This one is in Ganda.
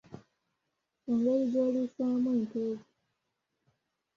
Engeri gy’oliisaamu ente zo.